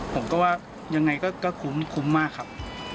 ผมก็ว่ายังไงก็คุ้มคุ้มมากครับ